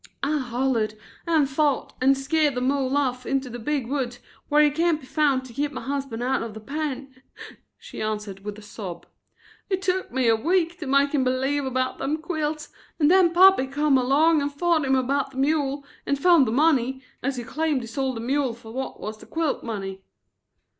"I hollered and fought and skeered the mule off into the big woods where he can't be found to keep my husband out of the pen," she answered with a sob. "It took me a week to make him believe about them quilts and then pappy come along and fought him about the mule and found the money, as he claimed he sold the mule fer what was the quilt money."